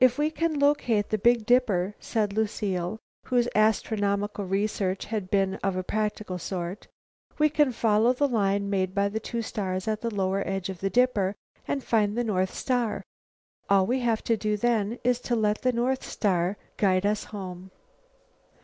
"If we can locate the big dipper," said Lucile, whose astronomical research had been of a practical sort, "we can follow the line made by the two stars at the lower edge of the dipper and find the North Star. All we have to do then is to let the North Star guide us home."